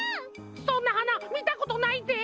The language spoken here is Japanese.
そんなはなみたことないぜ！